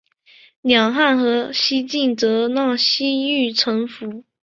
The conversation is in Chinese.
两汉和西晋则让西域臣服。